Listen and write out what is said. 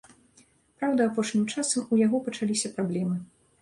Праўда, апошнім часам у яго пачаліся праблемы.